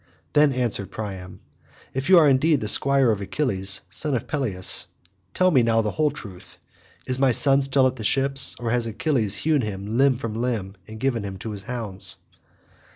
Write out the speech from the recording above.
Then answered Priam, "If you are indeed the squire of Achilles son of Peleus, tell me now the whole truth. Is my son still at the ships, or has Achilles hewn him limb from limb, and given him to his hounds?"